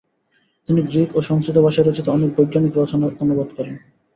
তিনি গ্রিক ও সংস্কৃত ভাষায় রচিত অনেক বৈজ্ঞানিক রচনা অনুবাদ করেন।